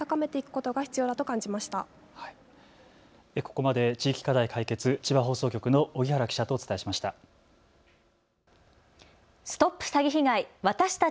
ここまで地域課題カイケツ千葉放送局の荻原記者とお伝えしました。